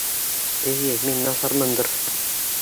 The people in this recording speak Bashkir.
Эйе, мин насармындыр.